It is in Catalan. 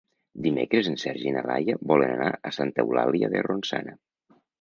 Dimecres en Sergi i na Laia volen anar a Santa Eulàlia de Ronçana.